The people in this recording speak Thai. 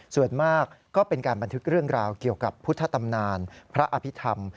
ส่วนมากก็เป็นการบันทึกเรื่องราวเกี่ยวกับพุทธตำนานพระอภิษฐรรม